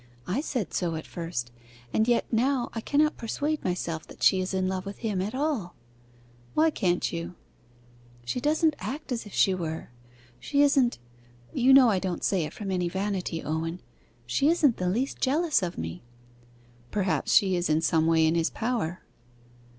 I said so at first. And yet now I cannot persuade myself that she is in love with him at all.' 'Why can't you?' 'She doesn't act as if she were. She isn't you will know I don't say it from any vanity, Owen she isn't the least jealous of me.' 'Perhaps she is in some way in his power.